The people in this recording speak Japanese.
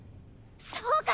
そうか！